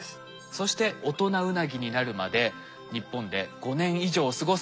そして大人ウナギになるまで日本で５年以上過ごすんですが。